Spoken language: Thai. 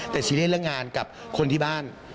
แต่ซีเรียสเรื่องงานกับคนที่บ้าน